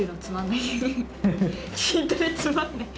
筋トレつまんない。